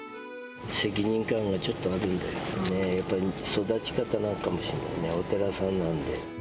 責任感がちょっとあるんだよ、やっぱり育ち方なのかもしれないね、お寺さんなんで。